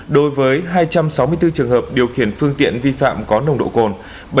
đối với hai trăm sáu mươi bốn trường hợp điều khiển phương tiện vi phạm có nồng độ cồn